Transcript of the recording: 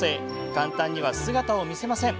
簡単には姿を見せません。